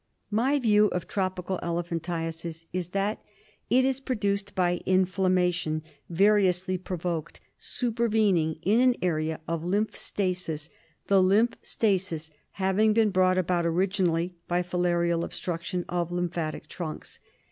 221 My view of tropical elephantiasis is that it is pro duced by inflammation variously provoked supervening in an area of lymph stasis, the lymph stasis having been brought about originally by filarial obstruction of lymphatic trunks.